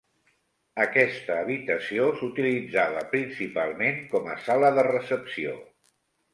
Aquesta habitació s'utilitzava principalment com a sala de recepció.